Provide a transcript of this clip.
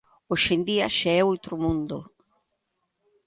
Hoxe en día xa é outro mundo.